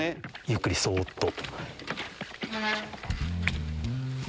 ゆっくりそっと。